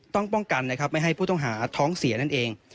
ป้องกันนะครับไม่ให้ผู้ต้องหาท้องเสียนั่นเอง